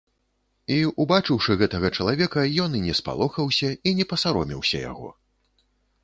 І, убачыўшы гэтага чалавека, ён і не спалохаўся, і не пасаромеўся яго.